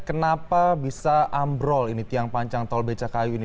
kenapa bisa ambrol ini tiang panjang tol becakayu ini